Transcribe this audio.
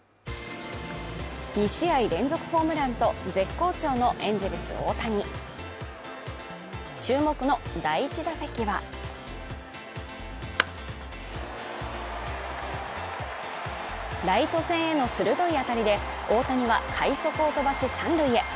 ２試合連続ホームランと絶好調のエンゼルス・大谷注目の第１打席はライト線への鋭い当たりで大谷は快足を飛ばし三塁へ。